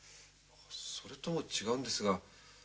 それとも違うんですが。